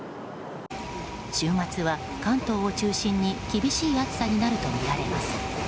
週末は、関東を中心に厳しい暑さになるとみられます。